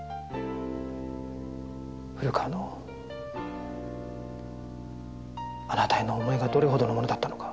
古川のあなたへの思いがどれほどのものだったのか。